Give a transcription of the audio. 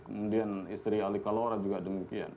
kemudian istri ali kalora juga demikian